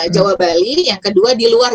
jawa bali yang kedua di luar